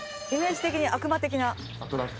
イメージ的に悪魔的な。